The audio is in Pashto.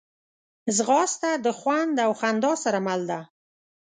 ځغاسته د خوند او خندا سره مل ده